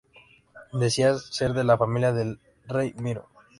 Decía ser de la familia del rey Miro.